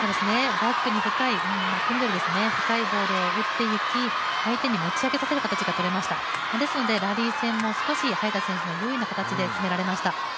バックに深いミドルですね、高いボールを打っていき、相手に持ち上げさせる形を取りましたので少し早田選手の優位な形で進められました。